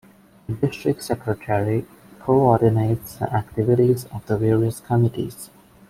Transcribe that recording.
The district secretary co-ordinates the activities of the various committees.